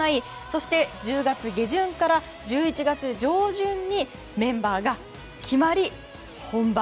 そして１０月下旬から１１月上旬にメンバーが決まり本番。